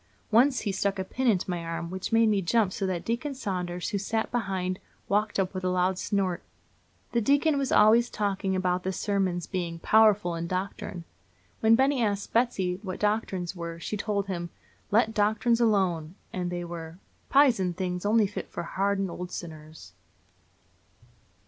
Once he stuck a pin into my arm, which made me jump so that Deacon Saunders, who sat behind, waked up with a loud snort. The deacon was always talking about the sermons being "powerful in doctrine." When Benny asked Betsy what doctrines were, she told him to "let doctrines alone;" that they were "pizen things, only fit for hardened old sinners."